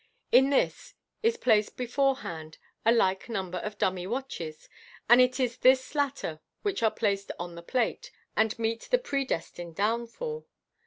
In this is placed beforehand a like number ofdummy watches, and it is these latter which are placed on the plate, and meet the pre destined downfall.